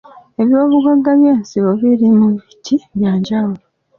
Eby'obugagga eby'ensibo biri mu biti bya njawulo